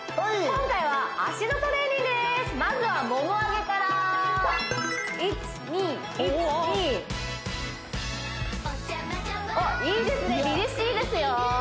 今回は脚のトレーニングですまずはモモ上げから１２１２おっいいですねりりしいですよ